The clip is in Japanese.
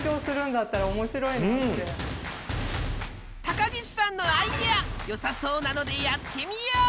高岸さんのアイデアよさそうなのでやってみよう！